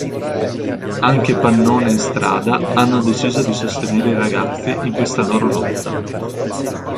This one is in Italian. Anche Pannone e Strada hanno deciso di sostenere i ragazzi in questa loro lotta.